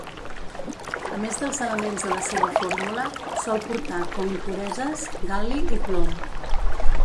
A més dels elements de la seva fórmula, sol portar com impureses: gal·li i plom.